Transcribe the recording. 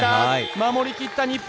守りきった日本！